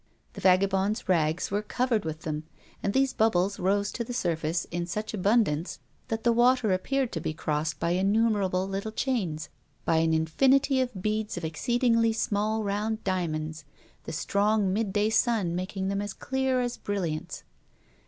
The vagabond's rags were covered with them; and these bubbles rose to the surface in such abundance that the water appeared to be crossed by innumerable little chains, by an infinity of beads of exceedingly small, round diamonds, the strong midday sun making them as clear as brilliants.